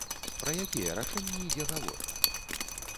Пра якія рашэнні ідзе гаворка?